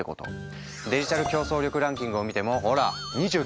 デジタル競争力ランキングを見てもほら２９位。